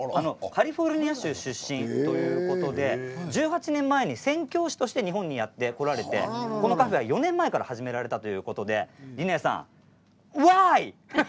カリフォルニア州出身ということで１８年前に宣教師として日本にやってこられてこのカフェは４年前から始められたということでリネーさんＷＨＹ？